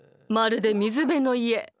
まるで水辺の家。